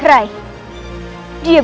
kau orang nama apa kamu